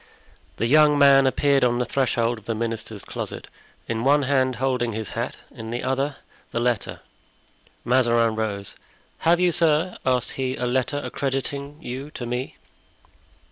The young man appeared on the threshold of the minister's closet, in one hand holding his hat, in the other the letter. Mazarin rose. "Have you, sir," asked he, "a letter accrediting you to me?"